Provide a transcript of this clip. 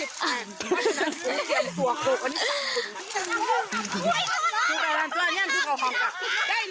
เอ้าแดดแซนเข้าไปแดดแซน